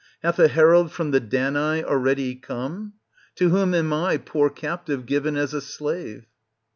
Hath a herald from the Danai aheady come ? To whom am I, poor captive, given as a slave